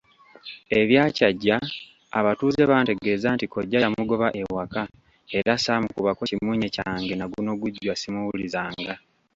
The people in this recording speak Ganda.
Ebya Kyajja, abatuuze bantegeeza nti kkojja yamugoba ewaka era ssaamukubako kimunye kyange nagunogujwa ssimuwulizanga.